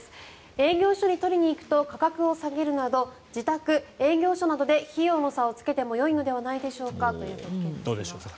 営業所に取りに行くと価格を下げるなど自宅、営業所などで費用の差をつけてもよいのではないでしょうかというご意見です。